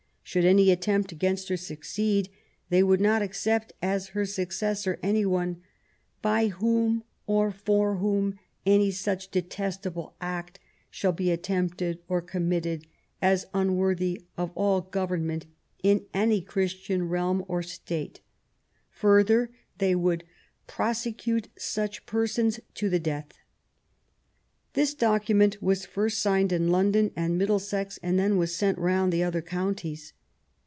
Should any at tempt against her succeed, they would not accept as her successor any one by whom, or for whom, any such detestable act shall be attempted or committed, as unworthy of all government in any Christian realm or State '*; further, they would '* prosecute such persons to the death". This document was THE CRISIS. 213 first signed in London and Middlesex, and then was sent round the other counties.